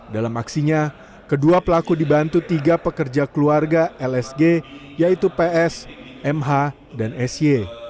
dalam aksinya kedua pelaku dibantu tiga pekerja keluarga lsg yaitu ps mh dan sy